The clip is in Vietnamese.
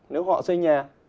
nếu họ xây nhà